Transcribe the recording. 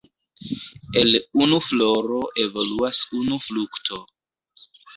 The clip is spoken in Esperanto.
El unu floro evoluas unu frukto.